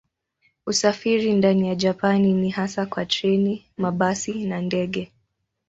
Usafiri ndani ya Japani ni hasa kwa treni, mabasi na ndege.